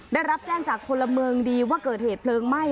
ได้รับแจ้งจากพลเมืองดีว่าเกิดเหตุเพลิงไหม้